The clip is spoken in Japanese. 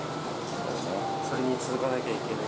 それに続かなきゃいけない。